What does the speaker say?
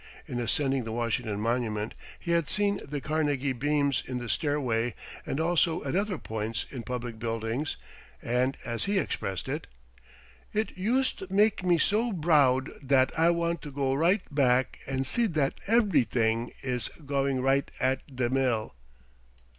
In ascending the Washington Monument he had seen the Carnegie beams in the stairway and also at other points in public buildings, and as he expressed it: "It yust make me so broud dat I want to go right back and see dat everyting is going right at de mill."